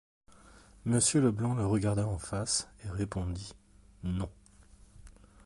Monsieur Leblanc le regarda en face et répondit: — Non.